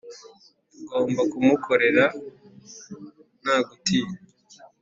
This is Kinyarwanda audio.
Tugomba kumukorera nta gutinya,